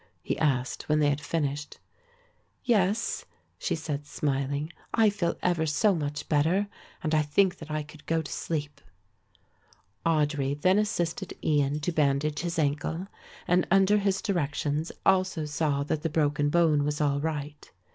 he asked when they had finished. "Yes," she said smiling, "I feel ever so much better and I think that I could go to sleep." Audry then assisted Ian to bandage his ankle, and under his directions also saw that the broken bone was all right.